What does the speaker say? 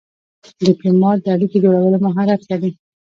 ډيپلومات د اړیکو جوړولو مهارت لري.